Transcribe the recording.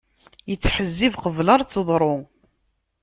Ittḥezzib qebl ad teḍru.